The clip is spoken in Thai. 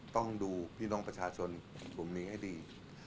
ต้องดูพี่น้องประชาชนกลุ่มนี้ให้ดี